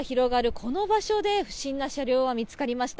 この場所で不審な車両は見つかりました。